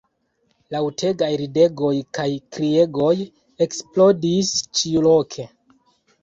Laŭtegaj ridegoj kaj kriegoj eksplodis ĉiuloke.